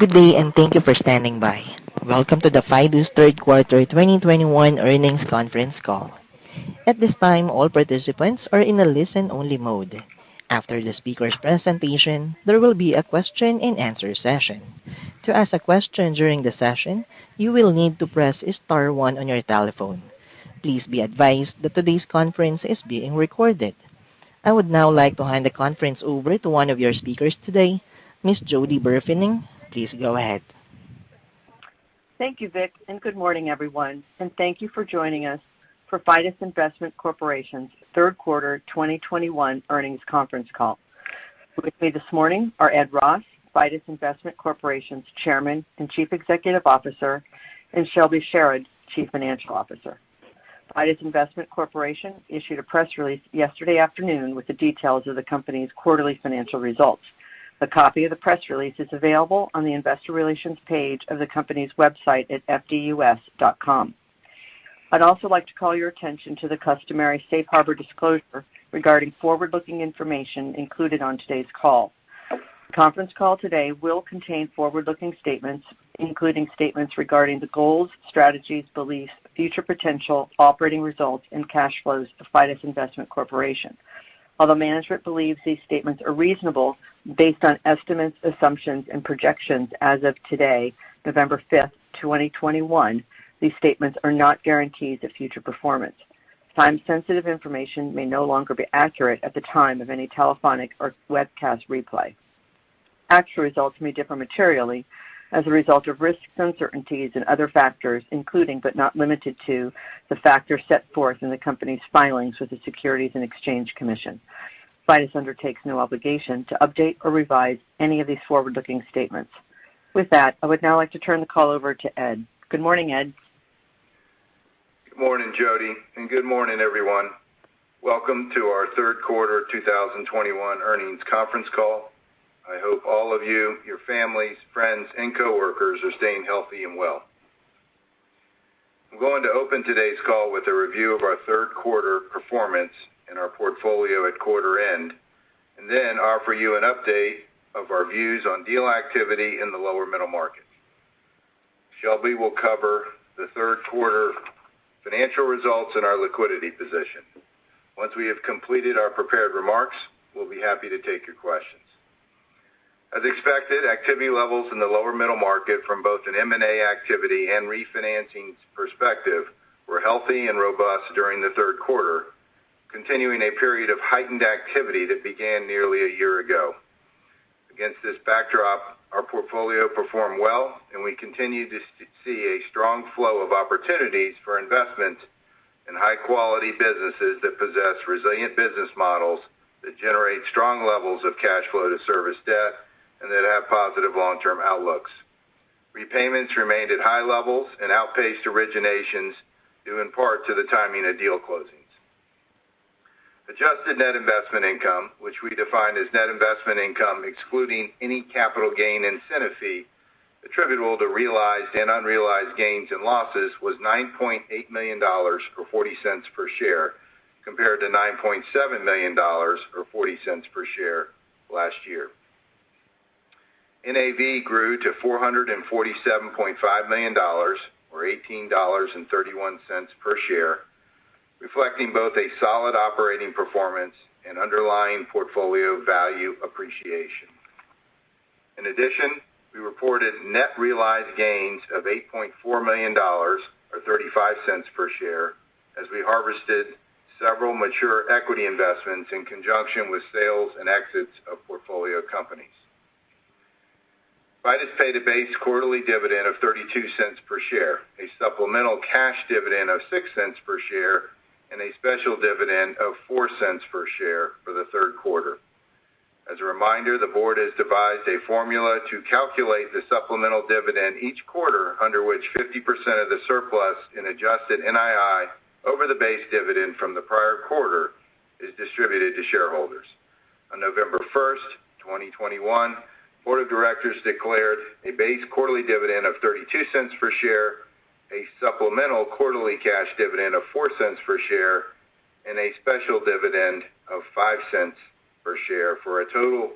Good day, and thank you for standing by. Welcome to the Fidus Third Quarter 2021 Earnings Conference Call. At this time, all participants are in a listen-only mode. After the speaker's presentation, there will be a question-and-answer session. To ask a question during the session, you will need to press star one on your telephone. Please be advised that today's conference is being recorded. I would now like to hand the conference over to one of your speakers today, Ms. Jody Burfening. Please go ahead. Thank you, Vic, and good morning, everyone. Thank you for joining us for Fidus Investment Corporation's third quarter 2021 earnings conference call. With me this morning are Ed Ross, Fidus Investment Corporation's Chairman and Chief Executive Officer, and Shelby Sherard, Chief Financial Officer. Fidus Investment Corporation issued a press release yesterday afternoon with the details of the company's quarterly financial results. A copy of the press release is available on the investor relations page of the company's website at fdus.com. I'd also like to call your attention to the customary safe harbor disclosure regarding forward-looking information included on today's call. The conference call today will contain forward-looking statements, including statements regarding the goals, strategies, beliefs, future potential, operating results, and cash flows of Fidus Investment Corporation. Although management believes these statements are reasonable, based on estimates, assumptions, and projections as of today, November 5, 2021, these statements are not guarantees of future performance. Time-sensitive information may no longer be accurate at the time of any telephonic or webcast replay. Actual results may differ materially as a result of risks, uncertainties, and other factors, including, but not limited to, the factors set forth in the company's filings with the Securities and Exchange Commission. Fidus undertakes no obligation to update or revise any of these forward-looking statements. With that, I would now like to turn the call over to Ed. Good morning, Ed. Good morning, Jody, and good morning, everyone. Welcome to our third quarter 2021 earnings conference call. I hope all of you, your families, friends, and coworkers are staying healthy and well. I'm going to open today's call with a review of our third quarter performance and our portfolio at quarter end, and then offer you an update of our views on deal activity in the lower middle market. Shelby will cover the third quarter financial results and our liquidity position. Once we have completed our prepared remarks, we'll be happy to take your questions. As expected, activity levels in the lower middle market from both an M&A activity and refinancing perspective were healthy and robust during the third quarter, continuing a period of heightened activity that began nearly a year ago. Against this backdrop, our portfolio performed well, and we continue to see a strong flow of opportunities for investment in high-quality businesses that possess resilient business models that generate strong levels of cash flow to service debt and that have positive long-term outlooks. Repayments remained at high levels and outpaced originations due in part to the timing of deal closings. Adjusted net investment income, which we define as net investment income excluding any capital gain incentive fee attributable to realized and unrealized gains and losses, was $9.8 million, or $0.40 per share, compared to $9.7 million or $0.40 per share last year. NAV grew to $447.5 million, or $18.31 per share, reflecting both a solid operating performance and underlying portfolio value appreciation. In addition, we reported net realized gains of $8.4 million, or $0.35 per share, as we harvested several mature equity investments in conjunction with sales and exits of portfolio companies. Fidus paid a base quarterly dividend of $0.32 per share, a supplemental cash dividend of $0.06 per share, and a special dividend of $0.04 per share for the third quarter. As a reminder, the board has devised a formula to calculate the supplemental dividend each quarter, under which 50% of the surplus in adjusted NII over the base dividend from the prior quarter is distributed to shareholders. On November 1, 2021, board of directors declared a base quarterly dividend of $0.32 per share, a supplemental quarterly cash dividend of $0.04 per share, and a special dividend of $0.05 per share for a total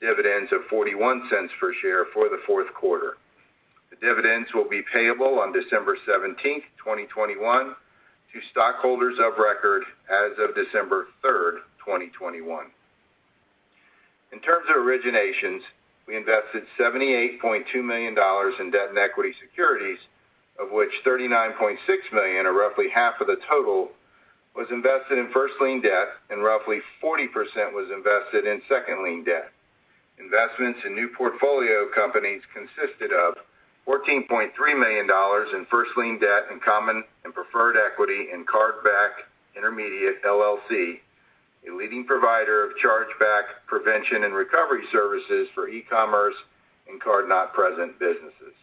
dividend of $0.41 per share for the fourth quarter. The dividends will be payable on December 17, 2021 to stockholders of record as of December 3, 2021. In terms of originations, we invested $78.2 million in debt and equity securities, of which $39.6 million, or roughly half of the total, was invested in first lien debt and roughly 40% was invested in second lien debt. Investments in new portfolio companies consisted of $14.3 million in first lien debt, common and preferred equity in Chargebacks911 Intermediate LLC, a leading provider of chargeback prevention and recovery services for e-commerce and card not present businesses.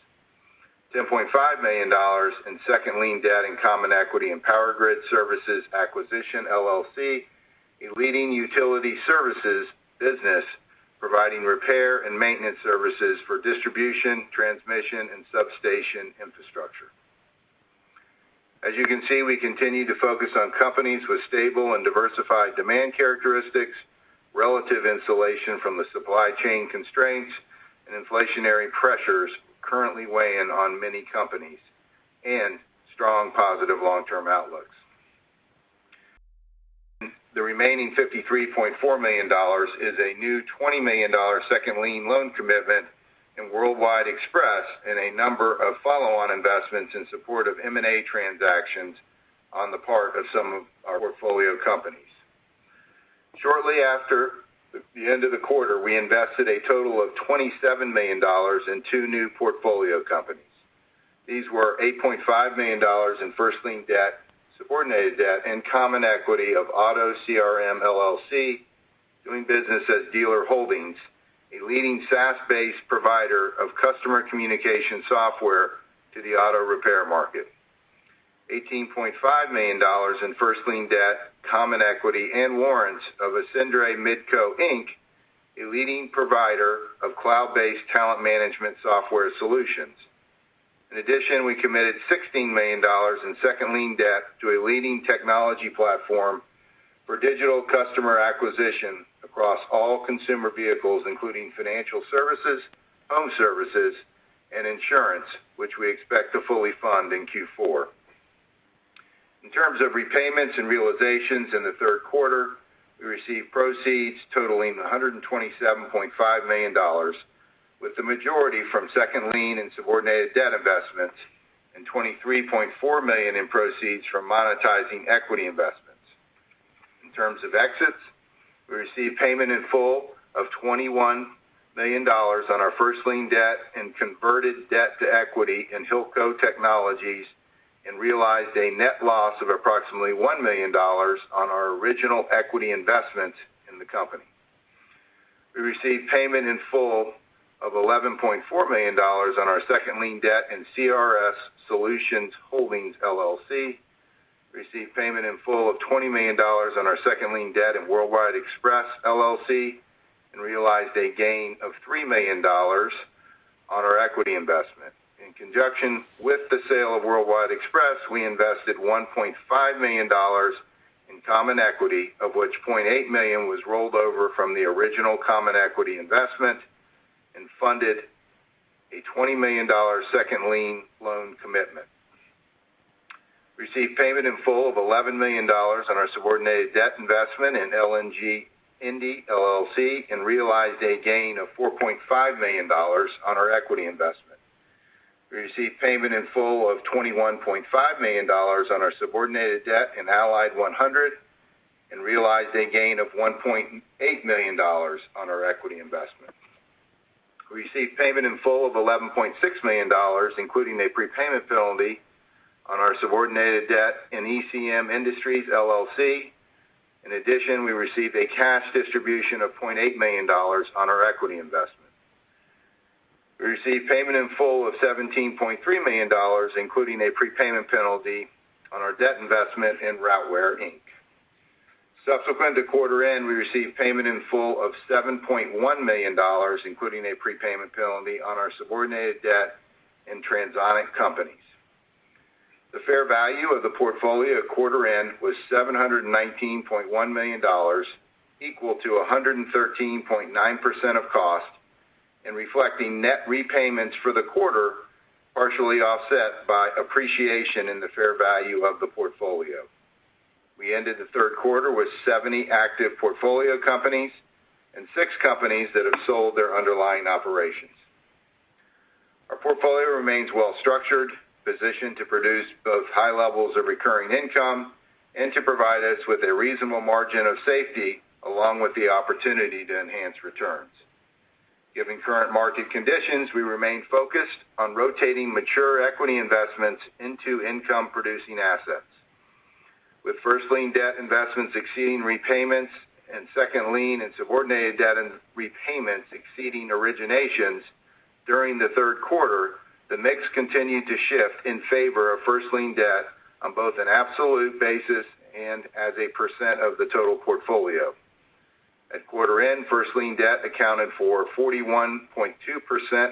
$10.5 million in second lien debt, common equity in Power Grid Services Acquisition LLC, a leading utility services business providing repair and maintenance services for distribution, transmission, and substation infrastructure. As you can see, we continue to focus on companies with stable and diversified demand characteristics, relative insulation from the supply chain constraints and inflationary pressures currently weighing on many companies, and strong positive long-term outlooks. The remaining $53.4 million is a new $20 million second lien loan commitment in Worldwide Express and a number of follow-on investments in support of M&A transactions on the part of some of our portfolio companies. Shortly after the end of the quarter, we invested a total of $27 million in two new portfolio companies. These were $8.5 million in first lien debt, subordinated debt, and common equity of Auto CRM LLC, doing business as Dealer Holdings, a leading SaaS-based provider of customer communication software to the auto repair market. $18.5 million in first lien debt, common equity, and warrants of Ascentis Midco Inc, a leading provider of cloud-based talent management software solutions. In addition, we committed $16 million in second lien debt to a leading technology platform for digital customer acquisition across all consumer vehicles, including financial services, home services, and insurance, which we expect to fully fund in Q4. In terms of repayments and realizations in the third quarter, we received proceeds totaling $127.5 million, with the majority from second lien and subordinated debt investments and $23.4 million in proceeds from monetizing equity investments. In terms of exits, we received payment in full of $21 million on our first lien debt and converted debt to equity in Hilco Technologies and realized a net loss of approximately $1 million on our original equity investment in the company. We received payment in full of $11.4 million on our second lien debt in CRS Solutions Holdings LLC. We received payment in full of $20 million on our second lien debt in Worldwide Express LLC, and realized a gain of $3 million on our equity investment. In conjunction with the sale of Worldwide Express, we invested $1.5 million in common equity, of which $0.8 million was rolled over from the original common equity investment and funded a $20 million second lien loan commitment. We received payment in full of $11 million on our subordinated debt investment in LNG Indy LLC, and realized a gain of $4.5 million on our equity investment. We received payment in full of $21.5 million on our subordinated debt in Allied 100, and realized a gain of $1.8 million on our equity investment. We received payment in full of $11.6 million, including a prepayment penalty on our subordinated debt in ECM Industries LLC. In addition, we received a cash distribution of $0.8 million on our equity investment. We received payment in full of $17.3 million, including a prepayment penalty on our debt investment in Routeware, Inc. Subsequent to quarter end, we received payment in full of $7.1 million, including a prepayment penalty on our subordinated debt in Transonic Companies. The fair value of the portfolio at quarter end was $719.1 million, equal to 113.9% of cost, and reflecting net repayments for the quarter, partially offset by appreciation in the fair value of the portfolio. We ended the third quarter with 70 active portfolio companies and six companies that have sold their underlying operations. Our portfolio remains well structured, positioned to produce both high levels of recurring income and to provide us with a reasonable margin of safety, along with the opportunity to enhance returns. Given current market conditions, we remain focused on rotating mature equity investments into income-producing assets. With first lien debt investments exceeding repayments and second lien and subordinated debt and repayments exceeding originations during the third quarter, the mix continued to shift in favor of first lien debt on both an absolute basis and as a percent of the total portfolio. At quarter end, first lien debt accounted for 41.2%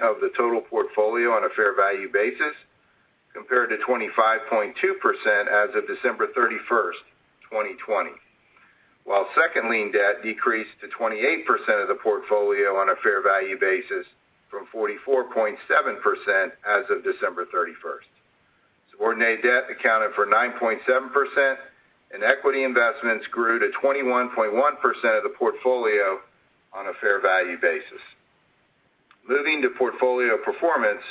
of the total portfolio on a fair value basis, compared to 25.2% as of December 31, 2020. While second lien debt decreased to 28% of the portfolio on a fair value basis from 44.7% as of December 31. Subordinated debt accounted for 9.7%, and equity investments grew to 21.1% of the portfolio on a fair value basis. Moving to portfolio performance.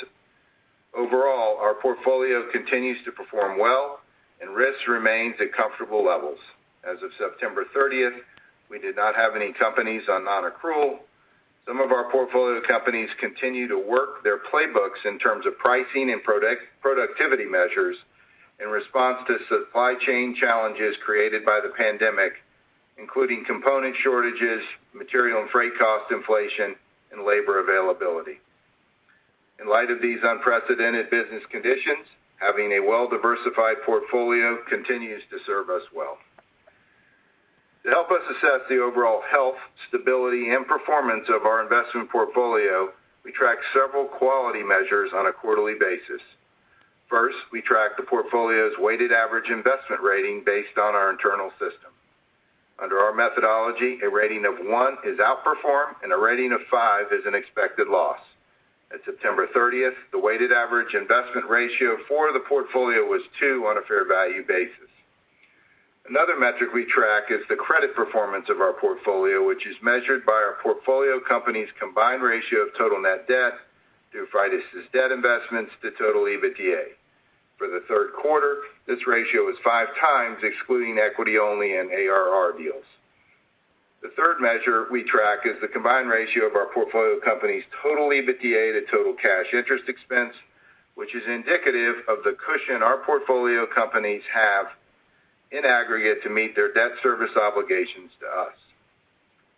Overall, our portfolio continues to perform well and risks remains at comfortable levels. As of September 30, we did not have any companies on non-accrual. Some of our portfolio companies continue to work their playbooks in terms of pricing and productivity measures in response to supply chain challenges created by the pandemic, including component shortages, material and freight cost inflation, and labor availability. In light of these unprecedented business conditions, having a well-diversified portfolio continues to serve us well. To help us assess the overall health, stability, and performance of our investment portfolio, we track several quality measures on a quarterly basis. First, we track the portfolio's weighted average investment rating based on our internal system. Under our methodology, a rating of one is outperform and a rating of five is an expected loss. As of September 30, the weighted average investment ratio for the portfolio was 2 on a fair value basis. Another metric we track is the credit performance of our portfolio, which is measured by our portfolio company's combined ratio of total net debt to Fidus' debt investments to total EBITDA. For the third quarter, this ratio is 5x excluding equity only and ARR deals. The third measure we track is the combined ratio of our portfolio company's total EBITDA to total cash interest expense, which is indicative of the cushion our portfolio companies have in aggregate to meet their debt service obligations to us.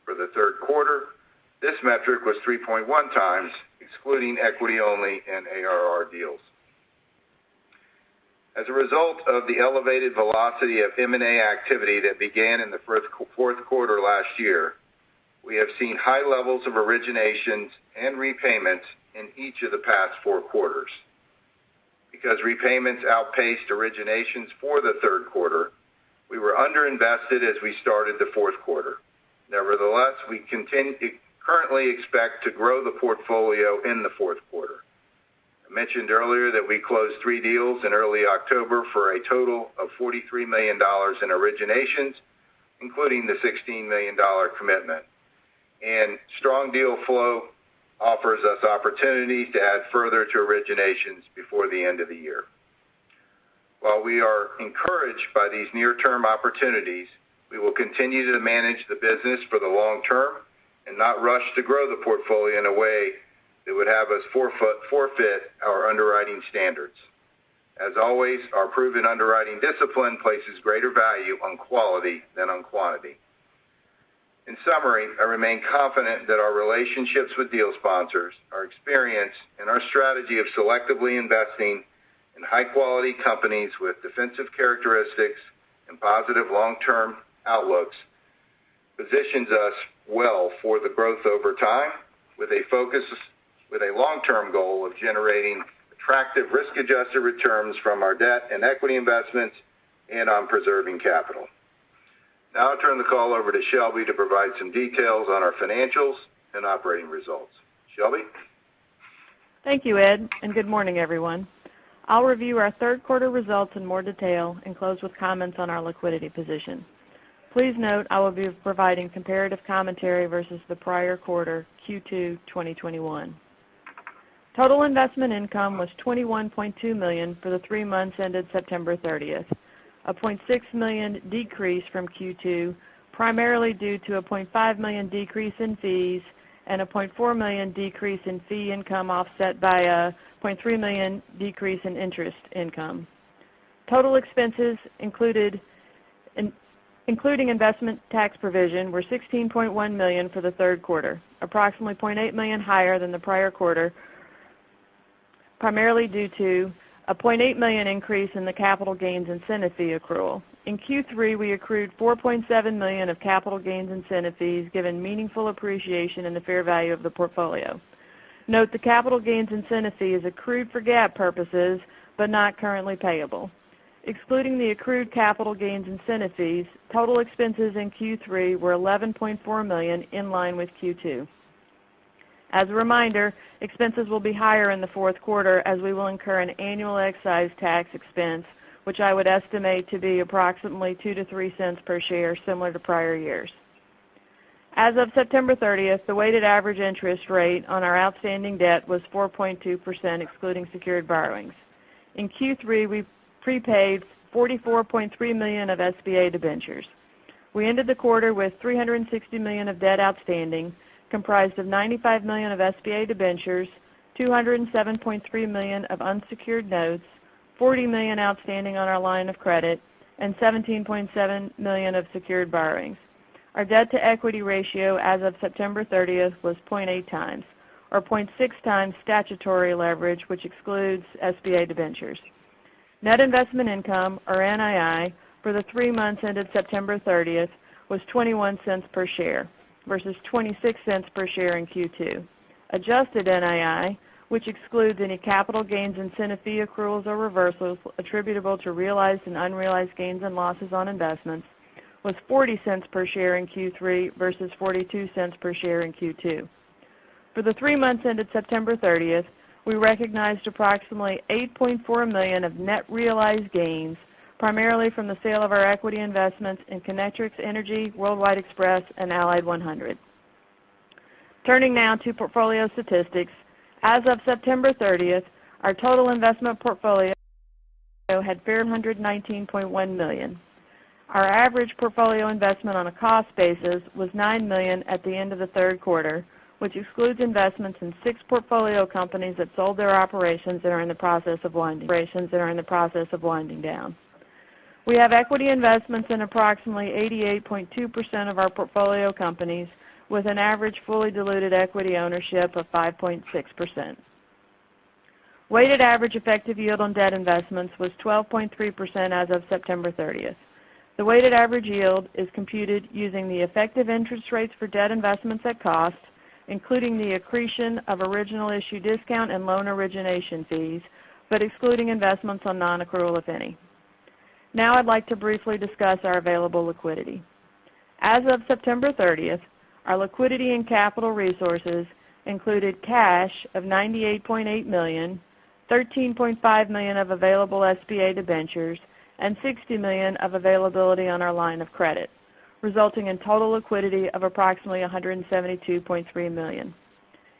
For the third quarter, this metric was 3.1x excluding equity only and ARR deals. As a result of the elevated velocity of M&A activity that began in the fourth quarter last year, we have seen high levels of originations and repayments in each of the past four quarters. Because repayments outpaced originations for the third quarter, we were underinvested as we started the fourth quarter. Nevertheless, we currently expect to grow the portfolio in the fourth quarter. I mentioned earlier that we closed three deals in early October for a total of $43 million in originations, including the $16 million commitment. Strong deal flow offers us opportunities to add further to originations before the end of the year. While we are encouraged by these near-term opportunities, we will continue to manage the business for the long term and not rush to grow the portfolio in a way that would have us forfeit our underwriting standards. As always, our proven underwriting discipline places greater value on quality than on quantity. In summary, I remain confident that our relationships with deal sponsors, our experience and our strategy of selectively investing in high quality companies with defensive characteristics and positive long-term outlooks positions us well for the growth over time with a long-term goal of generating attractive risk-adjusted returns from our debt and equity investments and on preserving capital. Now I'll turn the call over to Shelby to provide some details on our financials and operating results. Shelby? Thank you, Ed, and good morning, everyone. I'll review our third quarter results in more detail and close with comments on our liquidity position. Please note I will be providing comparative commentary versus the prior quarter, Q2 2021. Total investment income was $21.2 million for the three months ended September 30, a $0.6 million decrease from Q2, primarily due to a $0.5 million decrease in fees and a $0.4 million decrease in fee income offset by a $0.3 million increase in interest income. Total expenses, including investment tax provision, were $16.1 million for the third quarter, approximately $0.8 million higher than the prior quarter, primarily due to a $0.8 million increase in the capital gains incentive fee accrual. In Q3, we accrued $4.7 million of capital gains incentive fees given meaningful appreciation in the fair value of the portfolio. Note the capital gains incentive fee is accrued for GAAP purposes, but not currently payable. Excluding the accrued capital gains incentive fees, total expenses in Q3 were $11.4 million in line with Q2. As a reminder, expenses will be higher in the fourth quarter as we will incur an annual excise tax expense, which I would estimate to be approximately $0.02-$0.03 per share similar to prior years. As of September 30, the weighted average interest rate on our outstanding debt was 4.2% excluding secured borrowings. In Q3, we prepaid $44.3 million of SBA debentures. We ended the quarter with $360 million of debt outstanding, comprised of $95 million of SBA debentures, $207.3 million of unsecured notes, $40 million outstanding on our line of credit, and $17.7 million of secured borrowings. Our debt-to-equity ratio as of September 30 was 0.8 times, or 0.6 times statutory leverage, which excludes SBA debentures. Net investment income, or NII, for the three months ended September 30 was $0.21 per share versus $0.26 per share in Q2. Adjusted NII, which excludes any capital gains incentive fee accruals or reversals attributable to realized and unrealized gains and losses on investments, was $0.40 per share in Q3 versus $0.42 per share in Q2. For the three months ended September 30, we recognized approximately $8.4 million of net realized gains, primarily from the sale of our equity investments in Connectrix Energy, Worldwide Express and Allied 100. Turning now to portfolio statistics. As of September 30, our total investment portfolio had $419.1 million. Our average portfolio investment on a cost basis was $9 million at the end of the third quarter, which excludes investments in six portfolio companies that sold their operations that are in the process of winding down. We have equity investments in approximately 88.2% of our portfolio companies, with an average fully diluted equity ownership of 5.6%. Weighted average effective yield on debt investments was 12.3% as of September 30. The weighted average yield is computed using the effective interest rates for debt investments at cost, including the accretion of original issue discount and loan origination fees, but excluding investments on non-accrual, if any. Now, I'd like to briefly discuss our available liquidity. As of September 30, our liquidity and capital resources included cash of $98.8 million, $13.5 million of available SBA debentures, and $60 million of availability on our line of credit, resulting in total liquidity of approximately $172.3 million.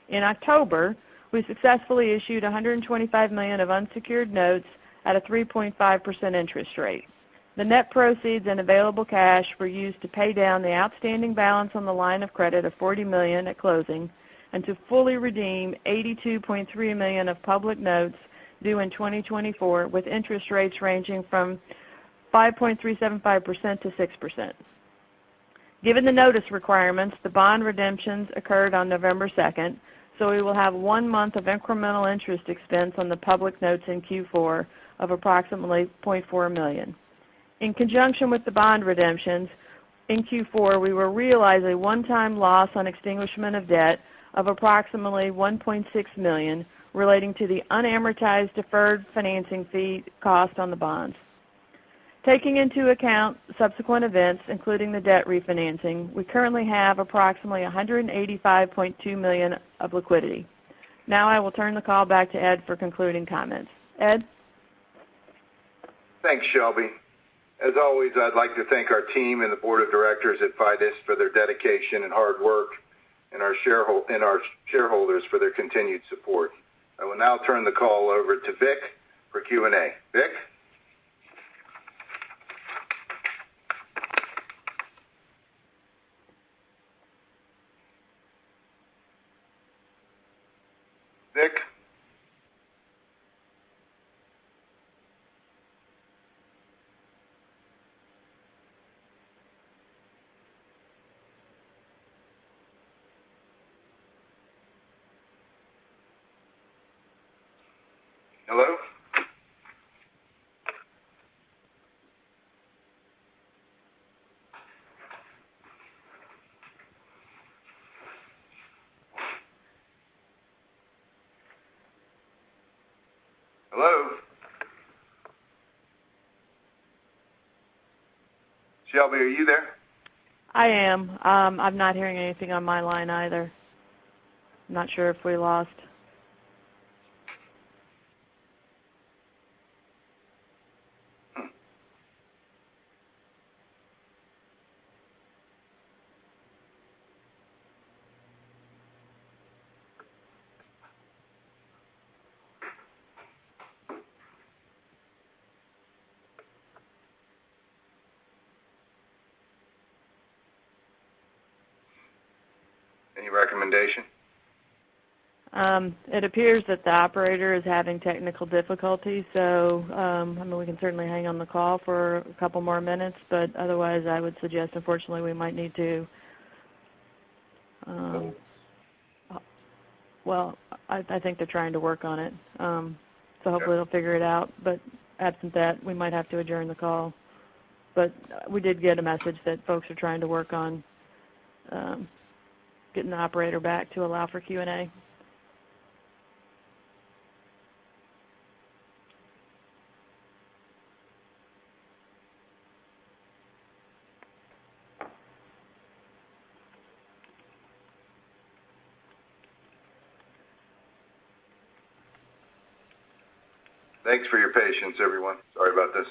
In October, we successfully issued $125 million of unsecured notes at a 3.5% interest rate. The net proceeds and available cash were used to pay down the outstanding balance on the line of credit of $40 million at closing and to fully redeem $82.3 million of public notes due in 2024, with interest rates ranging from 5.375%-6%. Given the notice requirements, the bond redemptions occurred on November second, so we will have one month of incremental interest expense on the public notes in Q4 of approximately $0.4 million. In conjunction with the bond redemptions, in Q4, we will realize a one-time loss on extinguishment of debt of approximately $1.6 million relating to the unamortized deferred financing fee cost on the bonds. Taking into account subsequent events, including the debt refinancing, we currently have approximately $185.2 million of liquidity. Now, I will turn the call back to Ed for concluding comments. Ed? Thanks, Shelby. As always, I'd like to thank our team and the board of directors at Fidus for their dedication and hard work and our shareholders for their continued support. I will now turn the call over to Vic for Q&A. Vic? Vic? Hello? Hello? Shelby, are you there? I am. I'm not hearing anything on my line either. Not sure if we lost. Any recommendation? It appears that the operator is having technical difficulties, so I mean, we can certainly hang on the call for a couple more minutes, but otherwise, I would suggest, unfortunately, we might need to. So- Well, I think they're trying to work on it. Hopefully- Okay. They'll figure it out. Absent that, we might have to adjourn the call. We did get a message that folks are trying to work on getting the operator back to allow for Q&A. Thanks for your patience, everyone. Sorry about this.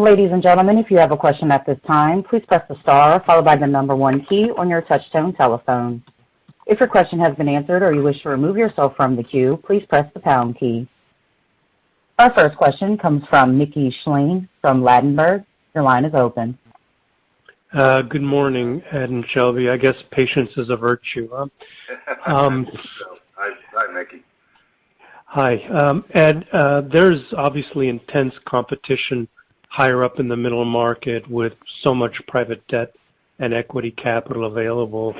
Ladies and gentlemen, if you have a question at this time, please press the star followed by the number one key on your touchtone telephone. If your question has been answered or you wish to remove yourself from the queue, please press the pound key. Our first question comes from Mickey Schleien from Ladenburg Thalmann. Your line is open. Good morning, Ed and Shelby. I guess patience is a virtue, huh? Hi, Mickey. Hi. Ed, there's obviously intense competition higher up in the middle market with so much private debt and equity capital available.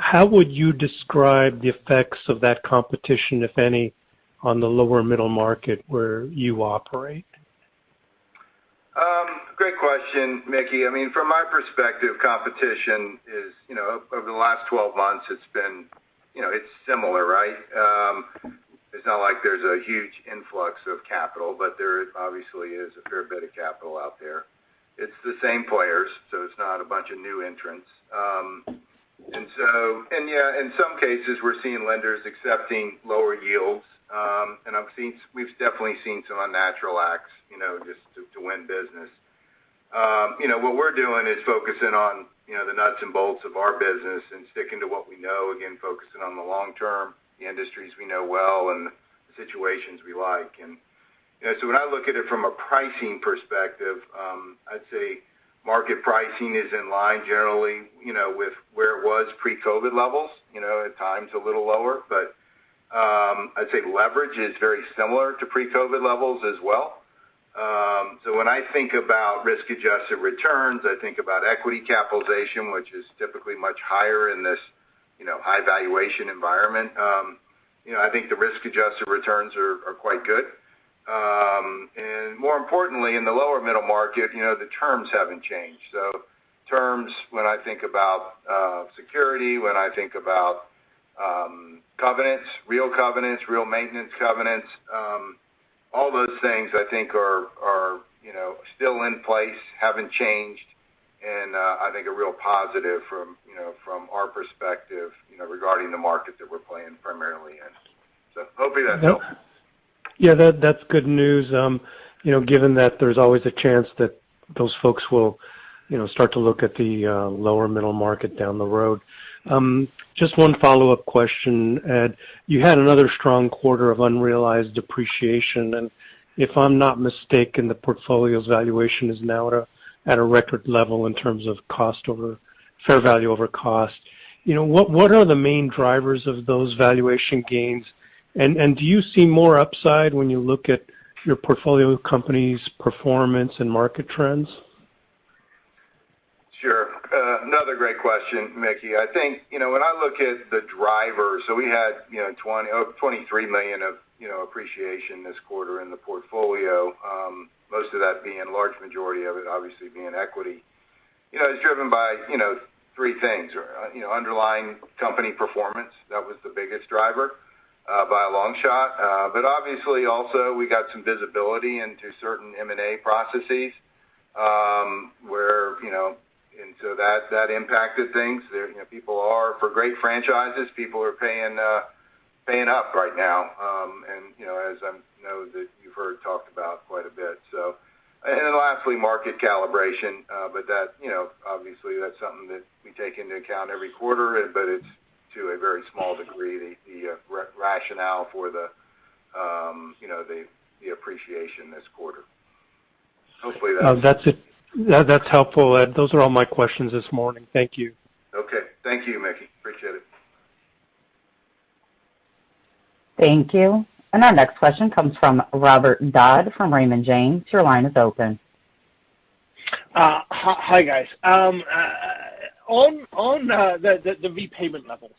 How would you describe the effects of that competition, if any, on the lower middle market where you operate? Great question, Mickey. I mean, from my perspective, competition is, you know, over the last 12 months, it's been, you know, it's similar, right? It's not like there's a huge influx of capital, but there obviously is a fair bit of capital out there. It's the same players, so it's not a bunch of new entrants. Yeah, in some cases, we're seeing lenders accepting lower yields. You know, what we're doing is focusing on, you know, the nuts and bolts of our business and sticking to what we know, again, focusing on the long term, the industries we know well and the situations we like. You know, so when I look at it from a pricing perspective, I'd say market pricing is in line generally, you know, with where it was pre-COVID levels, you know, at times a little lower. I'd say leverage is very similar to pre-COVID levels as well. When I think about risk-adjusted returns, I think about equity capitalization, which is typically much higher in this, you know, high valuation environment. You know, I think the risk-adjusted returns are quite good. More importantly, in the lower middle market, you know, the terms haven't changed. Terms, when I think about security, when I think about covenants, real covenants, real maintenance covenants, all those things I think are you know still in place, haven't changed, and I think a real positive from you know from our perspective you know regarding the market that we're playing primarily in. Hopefully that helps. Yeah, that's good news, you know, given that there's always a chance that those folks will, you know, start to look at the lower middle market down the road. Just one follow-up question, Ed. You had another strong quarter of unrealized appreciation, and if I'm not mistaken, the portfolio's valuation is now at a record level in terms of fair value over cost. You know, what are the main drivers of those valuation gains? And do you see more upside when you look at your portfolio company's performance and market trends? Sure. Another great question, Mickey. I think, you know, when I look at the drivers, so we had, you know, $23 million of, you know, appreciation this quarter in the portfolio, most of that being large majority of it obviously being equity. You know, it's driven by, you know, three things. You know, underlying company performance, that was the biggest driver, by a long shot. But obviously also we got some visibility into certain M&A processes, where, you know, and so that impacted things. You know, people are paying up right now for great franchises. You know, as I know that you've heard talked about quite a bit. Lastly, market calibration. that, you know, obviously that's something that we take into account every quarter, but it's to a very small degree the rationale for the, you know, the appreciation this quarter. Hopefully that No, that's it. That's helpful, Ed. Those are all my questions this morning. Thank you. Okay. Thank you, Mickey. Appreciate it. Thank you. Our next question comes from Robert Dodd from Raymond James. Your line is open. Hi, guys. On the repayment levels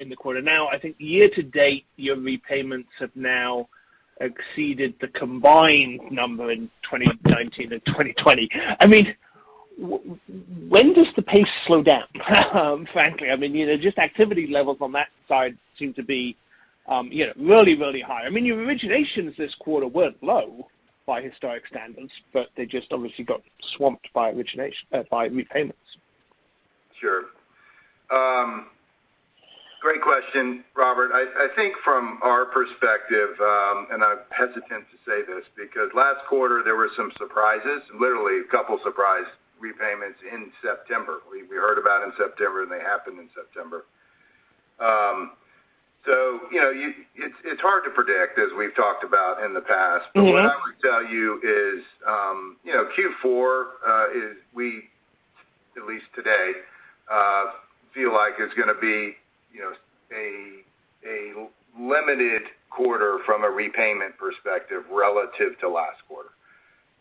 in the quarter. Now, I think year to date, your repayments have now exceeded the combined number in 2019 and 2020. I mean, when does the pace slow down, frankly? I mean, you know, just activity levels on that side seem to be, you know, really high. I mean, your originations this quarter weren't low by historic standards, but they just obviously got swamped by repayments. Sure. Great question, Robert. I think from our perspective, I'm hesitant to say this because last quarter there were some surprises, literally a couple surprise repayments in September. We heard about them in September, and they happened in September. You know, it's hard to predict, as we've talked about in the past. Mm-hmm. What I would tell you is, you know, Q4 is we, at least today, feel like it's gonna be, you know, a limited quarter from a repayment perspective relative to last quarter.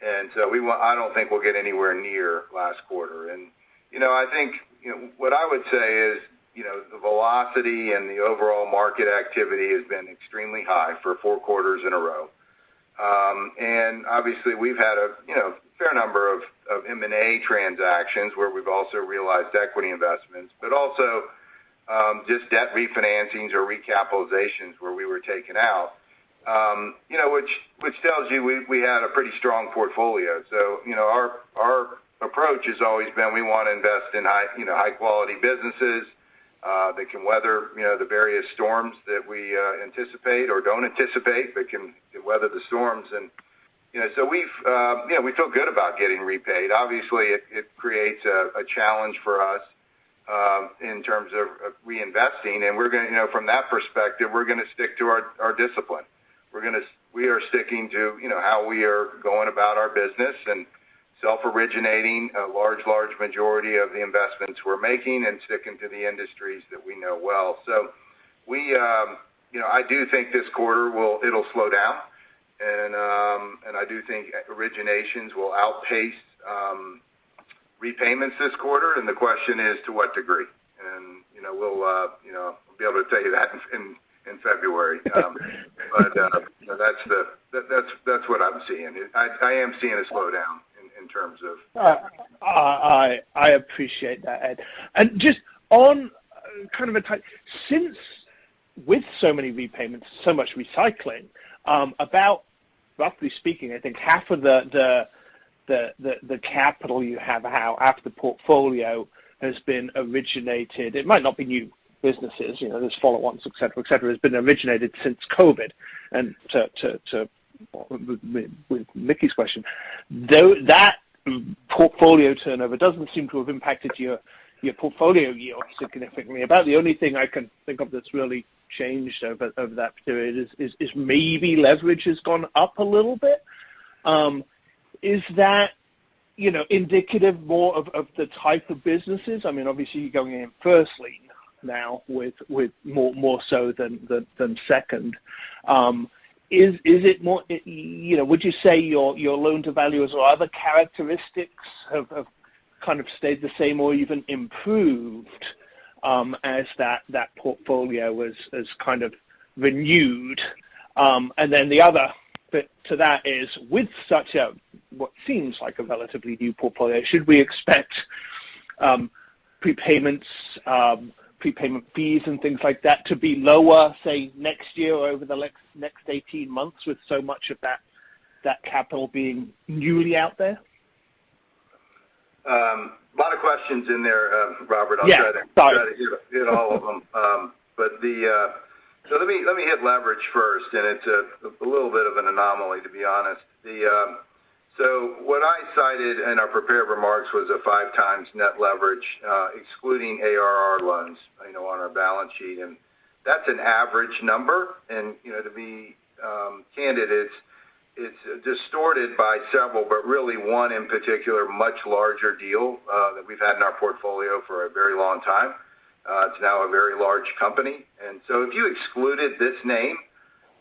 I don't think we'll get anywhere near last quarter. You know, I think, you know, what I would say is, you know, the velocity and the overall market activity has been extremely high for four quarters in a row. And obviously we've had a, you know, fair number of M&A transactions where we've also realized equity investments, but also, just debt refinancings or recapitalizations where we were taken out, you know, which tells you we had a pretty strong portfolio. You know, our approach has always been we wanna invest in high quality businesses that can weather the various storms that we anticipate or don't anticipate, but can weather the storms. You know, we feel good about getting repaid. Obviously, it creates a challenge for us in terms of reinvesting. You know, from that perspective, we're gonna stick to our discipline. We are sticking to how we are going about our business and self-originating a large majority of the investments we're making and sticking to the industries that we know well. We do think this quarter will slow down and originations will outpace repayments this quarter. The question is to what degree? You know, we'll be able to tell you that in February. That's what I'm seeing. I am seeing a slowdown in terms of- I appreciate that, Ed. Just on kind of a tie-in since with so many repayments, so much recycling, about roughly speaking, I think half of the capital you have, half the portfolio has been originated. It might not be new businesses, you know, there's follow-ons, et cetera, has been originated since COVID. To tie with Mickey's question, though that portfolio turnover doesn't seem to have impacted your portfolio yield significantly. About the only thing I can think of that's really changed over that period is maybe leverage has gone up a little bit. Is that, you know, indicative more of the type of businesses? I mean, obviously, you're going in first lien now with more so than second. Is it more? You know, would you say your loan to values or other characteristics have kind of stayed the same or even improved, as that portfolio has kind of renewed? The other bit to that is with such a what seems like a relatively new portfolio, should we expect prepayments, prepayment fees and things like that to be lower, say, next year or over the next 18 months with so much of that capital being newly out there? A lot of questions in there, Robert. Yeah, sorry. I'll try to hit all of them. Let me hit leverage first, and it's a little bit of an anomaly, to be honest. What I cited in our prepared remarks was 5x net leverage, excluding ARR loans, you know, on our balance sheet. That's an average number. You know, to be candid, it's distorted by several, but really one in particular, much larger deal that we've had in our portfolio for a very long time. It's now a very large company. If you excluded this name,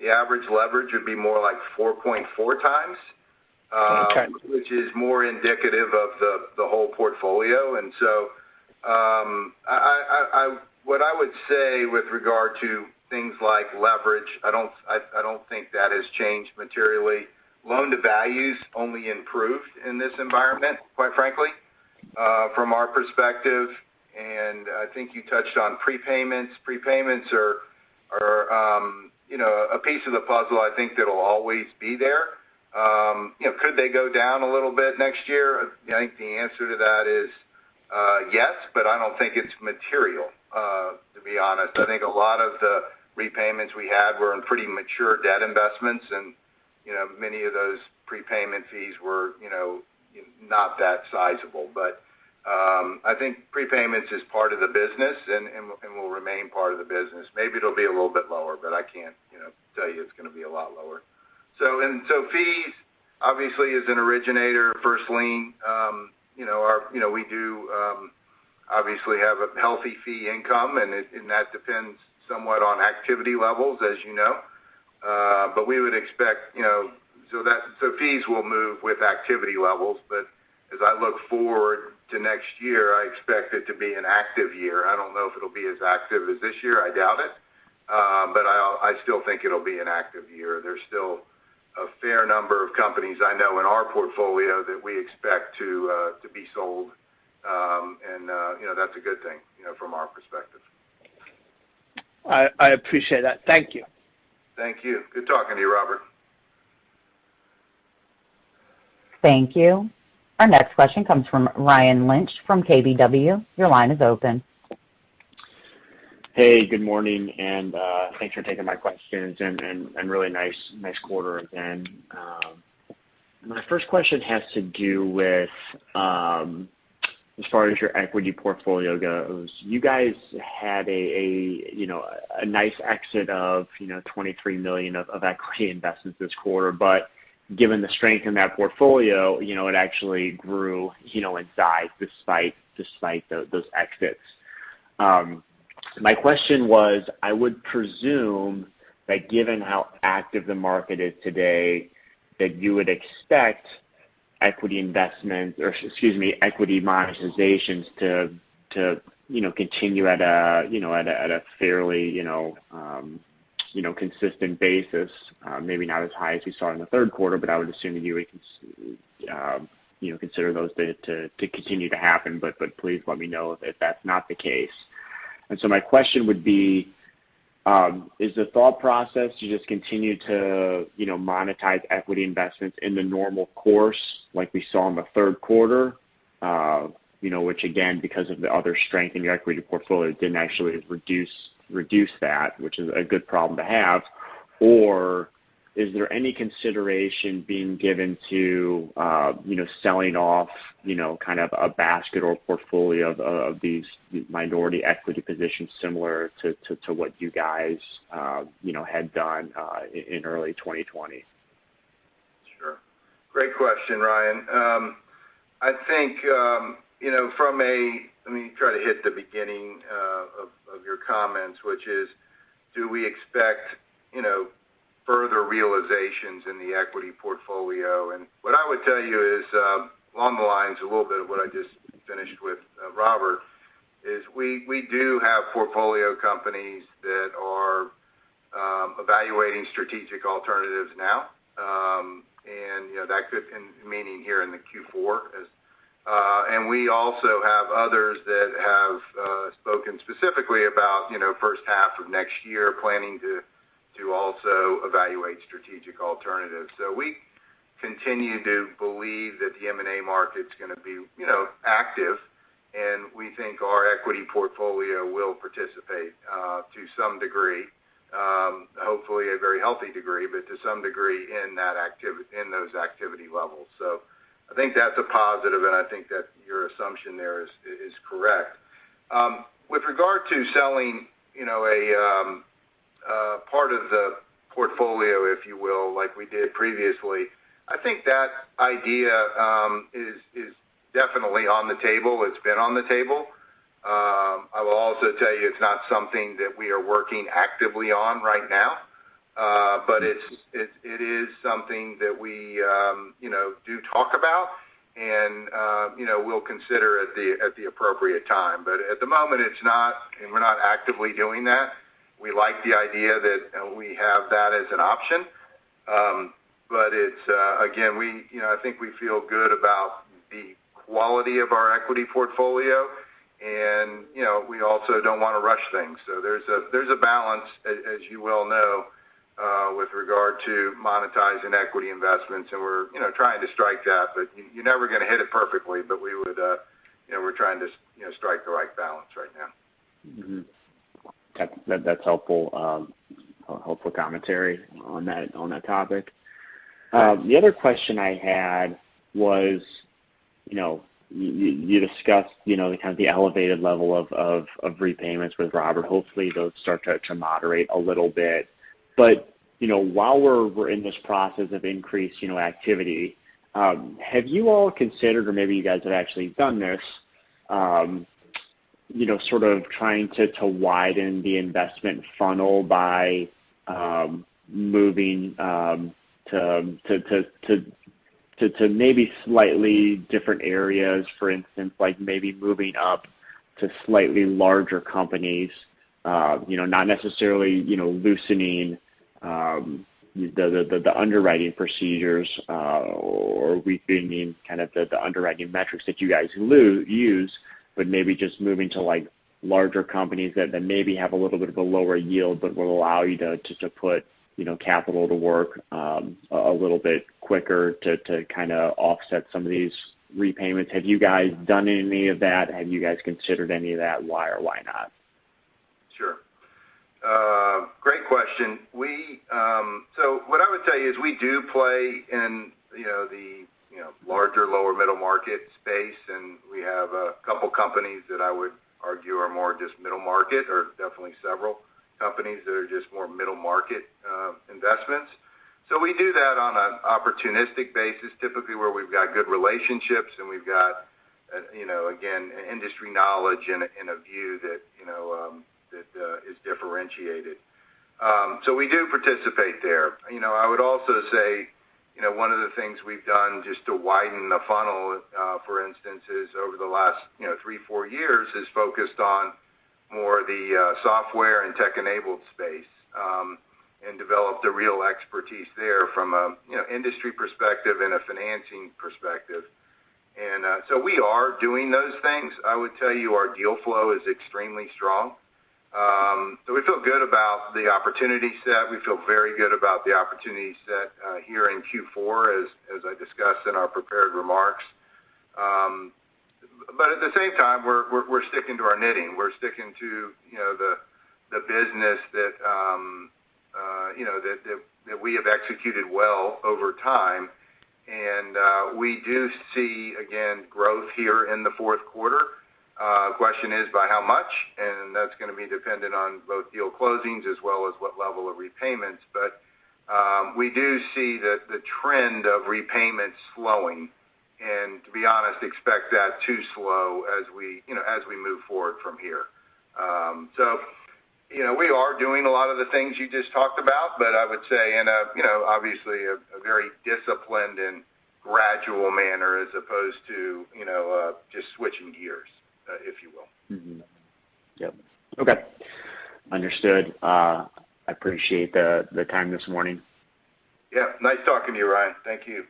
the average leverage would be more like 4.4x. Okay. Which is more indicative of the whole portfolio. What I would say with regard to things like leverage, I don't think that has changed materially. Loan to values only improved in this environment, quite frankly, from our perspective. I think you touched on prepayments. Prepayments are you know, a piece of the puzzle I think that'll always be there. You know, could they go down a little bit next year? I think the answer to that is yes, but I don't think it's material, to be honest. I think a lot of the repayments we had were in pretty mature debt investments and, you know, many of those prepayment fees were, you know, not that sizable. I think prepayments is part of the business and will remain part of the business. Maybe it'll be a little bit lower, but I can't, you know, tell you it's gonna be a lot lower. Fees, obviously, as an originator, first lien, you know, our, you know, we do obviously have a healthy fee income, and that depends somewhat on activity levels, as you know. We would expect, you know, fees will move with activity levels. As I look forward to next year, I expect it to be an active year. I don't know if it'll be as active as this year. I doubt it. I still think it'll be an active year. There's still a fair number of companies I know in our portfolio that we expect to be sold. You know, that's a good thing, you know, from our perspective. I appreciate that. Thank you. Thank you. Good talking to you, Robert. Thank you. Our next question comes from Ryan Lynch from KBW. Your line is open. Hey, good morning, and thanks for taking my questions and really nice quarter again. My first question has to do with as far as your equity portfolio goes. You guys had you know a nice exit of you know $23 million of equity investments this quarter. Given the strength in that portfolio, you know, it actually grew you know in size despite those exits. My question was, I would presume that given how active the market is today, that you would expect equity investments or, excuse me, equity monetizations to you know, continue at a fairly you know, consistent basis, maybe not as high as we saw in the third quarter, but I would assume that you would consider those to continue to happen. Please let me know if that's not the case. My question would be, is the thought process to just continue to you know, monetize equity investments in the normal course like we saw in the third quarter, you know, which again, because of the other strength in your equity portfolio didn't actually reduce that, which is a good problem to have? Is there any consideration being given to, you know, selling off, you know, kind of a basket or portfolio of these minority equity positions similar to what you guys, you know, had done in early 2020? Sure. Great question, Ryan. I think, you know, Let me try to hit the beginning of your comments, which is, do we expect, you know, further realizations in the equity portfolio? What I would tell you is, along the lines a little bit of what I just finished with, Robert, is we do have portfolio companies that are evaluating strategic alternatives now, and, you know, that could mean in Q4 as well, and we also have others that have spoken specifically about, you know, first half of next year planning to also evaluate strategic alternatives. We continue to believe that the M&A market's gonna be, you know, active, and we think our equity portfolio will participate, to some degree, hopefully a very healthy degree, but to some degree in those activity levels. I think that's a positive, and I think that your assumption there is correct. With regard to selling, you know, a part of the portfolio, if you will, like we did previously, I think that idea is definitely on the table. It's been on the table. I will also tell you it's not something that we are working actively on right now, but it is something that we, you know, do talk about and, you know, we'll consider at the appropriate time. At the moment, it's not and we're not actively doing that. We like the idea that we have that as an option, but it's again, we you know, I think we feel good about the quality of our equity portfolio and, you know, we also don't wanna rush things. There's a balance, as you well know, with regard to monetizing equity investments, and we're you know, trying to strike that, but you're never gonna hit it perfectly. We would you know, we're trying to you know, strike the right balance right now. Mm-hmm. That's helpful commentary on that topic. The other question I had was, you know, you discussed, you know, the kind of the elevated level of repayments with Robert. Hopefully, those start to moderate a little bit. You know, while we're in this process of increased activity, you know, have you all considered or maybe you guys have actually done this, you know, sort of trying to maybe slightly different areas, for instance, like maybe moving up to slightly larger companies? You know, not necessarily, you know, loosening the underwriting procedures or refining kind of the underwriting metrics that you guys use, but maybe just moving to like larger companies that maybe have a little bit of a lower yield, but will allow you to put, you know, capital to work a little bit quicker to kinda offset some of these repayments. Have you guys done any of that? Have you guys considered any of that? Why or why not? Sure. Great question. What I would say is we do play in, you know, the, you know, larger, lower middle market space, and we have a couple companies that I would argue are more just middle market or definitely several companies that are just more middle market investments. We do that on an opportunistic basis, typically where we've got good relationships, and we've got, you know, again, industry knowledge and a view that, you know, that is differentiated. We do participate there. You know, I would also say, you know, one of the things we've done just to widen the funnel, for instance, is over the last, you know, 3 or 4 years, focused on more of the software and tech-enabled space, and developed a real expertise there from a, you know, industry perspective and a financing perspective. We are doing those things. I would tell you our deal flow is extremely strong. We feel good about the opportunity set. We feel very good about the opportunity set, here in Q4, as I discussed in our prepared remarks. At the same time, we're sticking to our knitting. We're sticking to, you know, the business that, you know, that we have executed well over time. We do see, again, growth here in the fourth quarter. Question is by how much? That's gonna be dependent on both deal closings as well as what level of repayments. We do see the trend of repayments slowing. To be honest, we expect that to slow as we, you know, as we move forward from here. You know, we are doing a lot of the things you just talked about, but I would say in a, you know, obviously a very disciplined and gradual manner as opposed to, you know, just switching gears, if you will. Mm-hmm. Yep. Okay. Understood. I appreciate the time this morning. Yeah. Nice talking to you, Ryan. Thank you.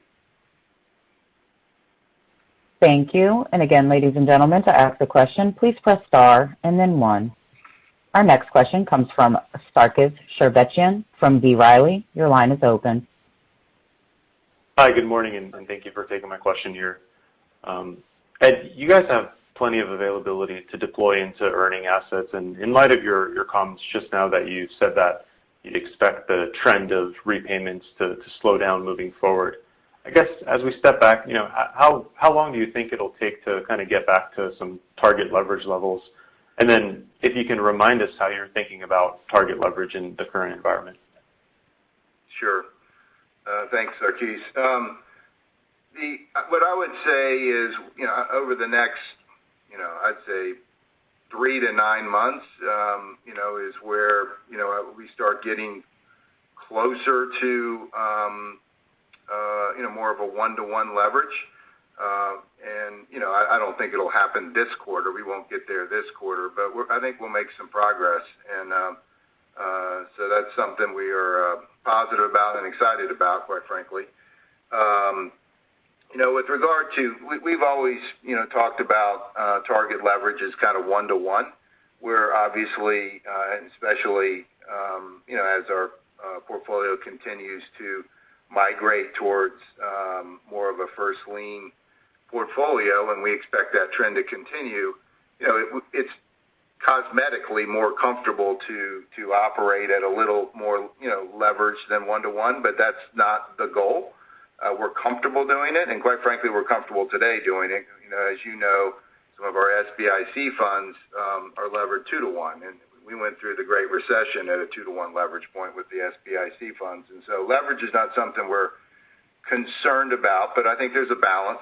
Thank you. Again, ladies and gentlemen, to ask a question, please press star and then one. Our next question comes from Sarkis Sherbetchyan from B. Riley Securities. Your line is open. Hi, good morning, and thank you for taking my question here. Ed, you guys have plenty of availability to deploy into earning assets. In light of your comments just now that you said that you expect the trend of repayments to slow down moving forward, I guess as we step back, you know, how long do you think it'll take to kinda get back to some target leverage levels? Then if you can remind us how you're thinking about target leverage in the current environment. Sure. Thanks, Sarkis. What I would say is, you know, over the next, you know, I'd say 3-9 months, you know, is where, you know, we start getting closer to, you know, more of a 1-to-1 leverage. It'll happen this quarter. We won't get there this quarter, but I think we'll make some progress. That's something we are positive about and excited about, quite frankly. You know, with regard to, we've always, you know, talked about target leverage as kinda 1-to-1. We're obviously and especially, you know, as our portfolio continues to migrate towards more of a first lien portfolio, and we expect that trend to continue, you know, it's cosmetically more comfortable to operate at a little more, you know, leverage than 1-to-1, but that's not the goal. We're comfortable doing it, and quite frankly, we're comfortable today doing it. You know, as you know, some of our SBIC funds are levered 2-to-1. We went through the Great Recession at a 2-to-1 leverage point with the SBIC funds. Leverage is not something we're concerned about, but I think there's a balance,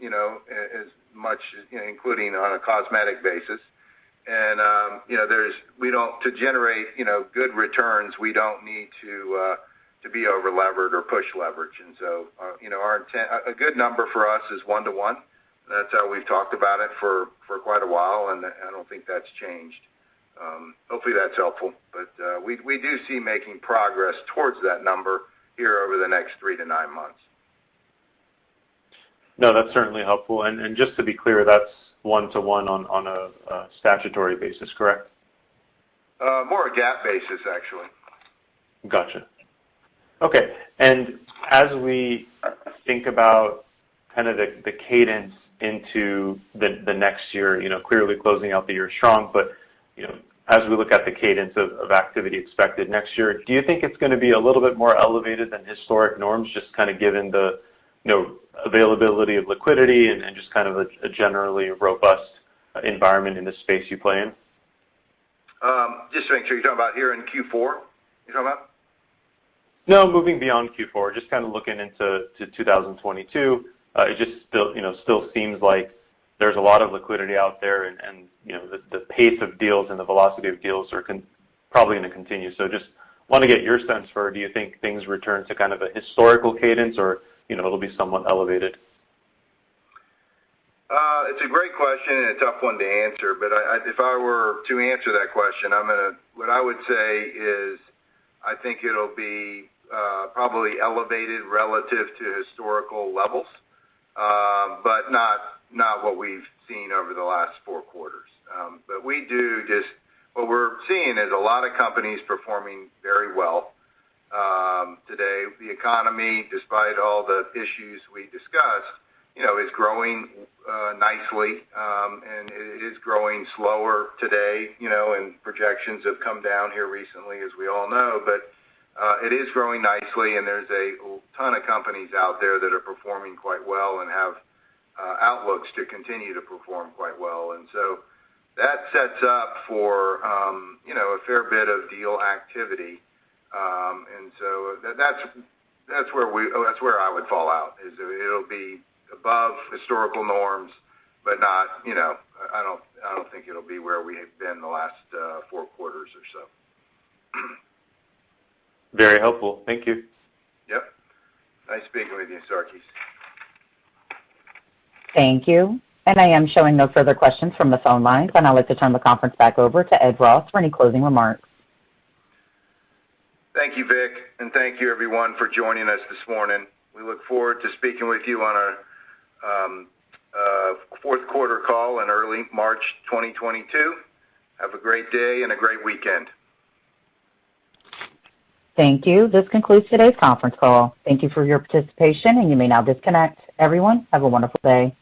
you know, as much, you know, including on a cosmetic basis. You know, to generate good returns, we don't need to be overlevered or push leverage. A good number for us is 1 to 1. That's how we've talked about it for quite a while, and I don't think that's changed. Hopefully that's helpful. We do see making progress towards that number here over the next 3 to 9 months. No, that's certainly helpful. Just to be clear, that's 1-to-1 on a statutory basis, correct? More a GAAP basis, actually. Gotcha. Okay. As we think about kind of the cadence into the next year, you know, clearly closing out the year strong, but, you know, as we look at the cadence of activity expected next year, do you think it's gonna be a little bit more elevated than historic norms, just kinda given the, you know, availability of liquidity and just kind of a generally robust environment in the space you play in? Just to make sure, you're talking about here in Q4? No, moving beyond Q4. Just kinda looking into 2022. It just still, you know, seems like there's a lot of liquidity out there and, you know, the pace of deals and the velocity of deals are probably gonna continue. Just wanna get your sense for do you think things return to kind of a historical cadence or, you know, it'll be somewhat elevated? It's a great question and a tough one to answer. If I were to answer that question, what I would say is I think it'll be probably elevated relative to historical levels, but not what we've seen over the last four quarters. What we're seeing is a lot of companies performing very well today. The economy, despite all the issues we discussed, you know, is growing nicely, and it is growing slower today, you know, and projections have come down here recently, as we all know. It is growing nicely, and there's a ton of companies out there that are performing quite well and have outlooks to continue to perform quite well. That sets up for, you know, a fair bit of deal activity. That's where I would fall out, is it'll be above historical norms, but not, you know. I don't think it'll be where we have been the last four quarters or so. Very helpful. Thank you. Yep. Nice speaking with you, Sarkis. Thank you. I am showing no further questions from the phone lines, and I'd like to turn the conference back over to Ed Ross for any closing remarks. Thank you, Vic. Thank you, everyone, for joining us this morning. We look forward to speaking with you on our fourth quarter call in early March 2022. Have a great day and a great weekend. Thank you. This concludes today's conference call. Thank you for your participation, and you may now disconnect. Everyone, have a wonderful day.